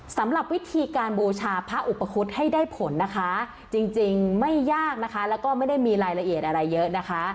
สำหรับวิธีการบูชาพระอุปคุฎให้ได้ผลนะคะจริงไม่ยากนะคะแล้วก็ไม่ได้มีรายละเอียดอะไรเยอะนะคะ